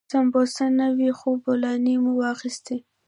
سمبوسې نه وې خو بولاني مو واخيستې.